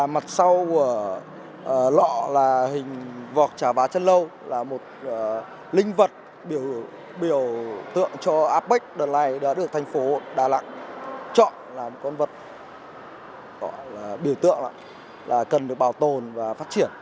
mặt sau của lọ là hình vọc trà vá chân lâu là một linh vật biểu tượng cho apec đợt này đã được thành phố đà nẵng chọn là một con vật biểu tượng là cần được bảo tồn và phát triển